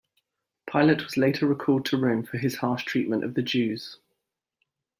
Pilate was later recalled to Rome for his harsh treatment of the Jews.